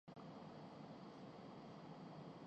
آدھا ملک گنوا بیٹھے۔